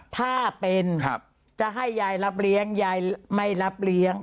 ถ้าเป็นจะให้ยายรับเลี้ยงยายไม่รับเลี้ยง